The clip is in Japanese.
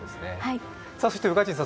そして宇賀神さん